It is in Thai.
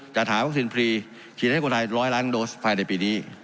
จัดหาวัคซีนฟรีฉีดให้คนไทย๑๐๐ล้านโดสภายในปีนี้